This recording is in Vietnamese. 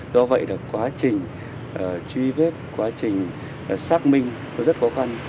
do vậy là quá trình truy vết quá trình xác minh nó rất khó khăn